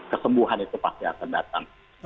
kesembuhan itu pasti akan datang